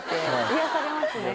癒やされますね。